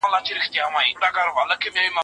د کور دننه لوګي مخه ونيسئ.